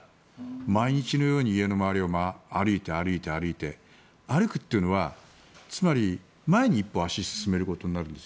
毎日のように家の周りを歩いて、歩いて歩くというのはつまり前に一歩足を進めることになるんです